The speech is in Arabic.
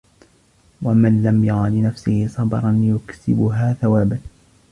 وَمَنْ لَمْ يَرَ لِنَفْسِهِ صَبْرًا يُكْسِبُهَا ثَوَابًا